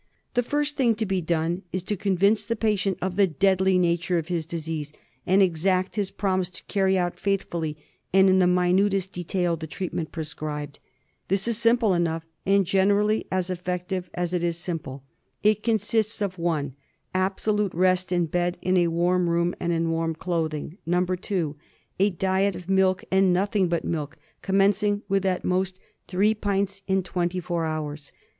The first thing to be done is to convince the patient of the deadly nature of his disease, and exact his promise to carry out faithfully and in the minutest detail the treatment prescribed. This is simple enough, and gener ally as effective as it is simple. It consists in (i) absolute rest in bed in a warm room and in warm clothing; (2) a diet of milk and nothing but milk, commencing with at most three pints in the twenty four hours.